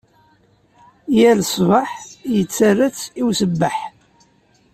Yal ṣṣbeḥ, yettarra-tt i usebbeḥ.